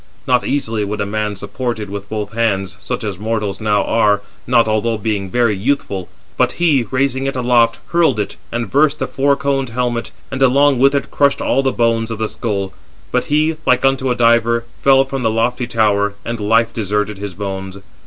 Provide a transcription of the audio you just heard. Not easily would a man support it with both hands, such as mortals now are, not although being very youthful; but he, raising it aloft, hurled it, and burst the four coned helmet, and along with it crushed all the bones of the skull: but he, like unto a diver, fell from the lofty tower, and life deserted his bones.